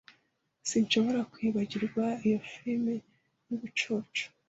Sinshobora kwibagirwa iyo firime yubucucu